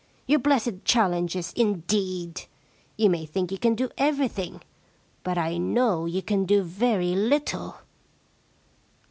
Your blessed challenges, indeed ! You may think you can do everything, but I know you can do very little.'